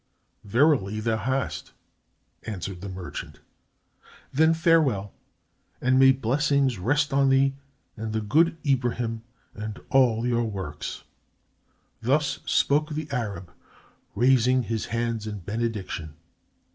"Verily thou hast," answered the merchant. "Then farewell, and may blessings rest on thee and the good Ibrahim and on all your works." Thus spoke the Arab, raising his hands in benediction.